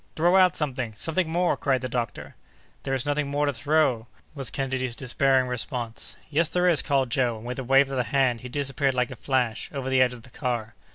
"Throw out something—something more!" cried the doctor. "There is nothing more to throw!" was Kennedy's despairing response. "Yes, there is!" called Joe, and with a wave of the hand he disappeared like a flash, over the edge of the car.